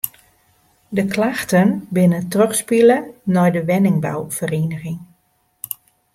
De klachten binne trochspile nei de wenningbouferieniging.